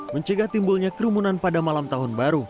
mencegah timbulnya kerumunan pada malam tahun baru